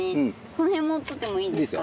このへんもとってもいいですか？